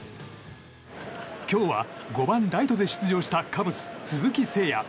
今日は５番ライトで出場したカブス、鈴木誠也。